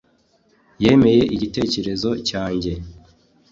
yemeye igitekerezo cyanjye